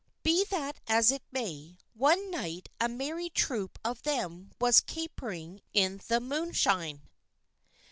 Be that as it may, one night a merry troop of them was capering in the moonshine.